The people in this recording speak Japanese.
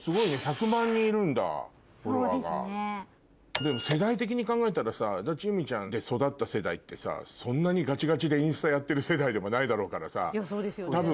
でも世代的に考えたらさ安達祐実ちゃんで育った世代ってそんなにガチガチでインスタやってる世代でもないだろうからさ。